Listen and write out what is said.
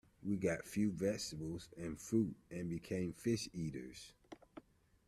We got few vegetables and fruits, and became fish eaters.